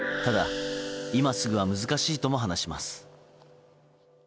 ただ今すぐは難しいとも話します。